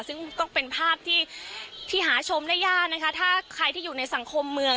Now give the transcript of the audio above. ซึ่งต้องเป็นภาพที่ที่หาชมได้ยากนะคะถ้าใครที่อยู่ในสังคมเมือง